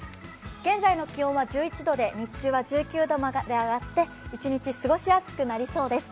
現在の気温は１１度で日中は１９度まで上がって一日過ごしやすくなりそうです。